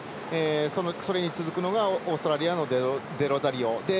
それに続くのがオーストラリアのデロザリオ。